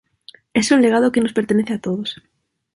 Es un legado que nos pertenece a todos".